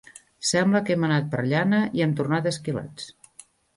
Sembla que hem anat per llana i hem tornat esquilats.